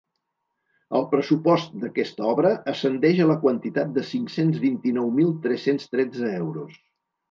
El pressupost d’aquesta obra ascendeix a la quantitat de cinc-cents vint-i-nou mil tres-cents tretze euros.